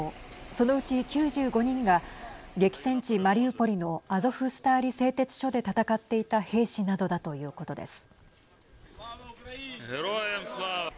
そのうち９５人が激戦地マリウポリのアゾフスターリ製鉄所で戦っていた兵士などだということです。